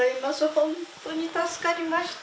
本当に助かりました。